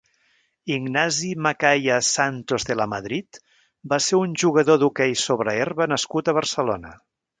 Ignasi Macaya Santos de Lamadrid va ser un jugador d'hoquei sobre herba nascut a Barcelona.